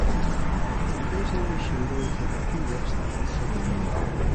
Occasionally she would only take a few whiffs at his cigarette.